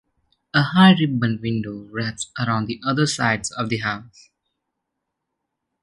A high ribbon window wraps around the other sides of the house.